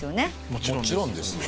もちろんです。